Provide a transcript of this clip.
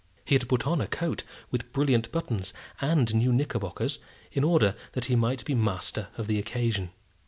He had put on a coat with brilliant buttons, and new knickerbockers, in order that he might be master of the occasion.